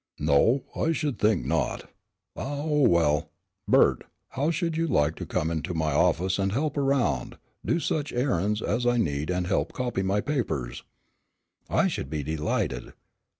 "No, I should think not. Ah oh well, Bert, how should you like to come into my office and help around, do such errands as I need and help copy my papers?" "I should be delighted."